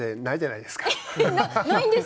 ないんじゃないですか。